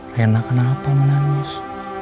rena kenapa menangis